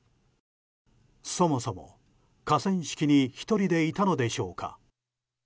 そもそも河川敷に１人でいたのでしょうか。